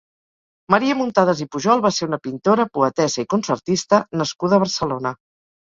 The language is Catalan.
Maria Muntadas i Pujol va ser una pintora, poetessa i concertista nascuda a Barcelona.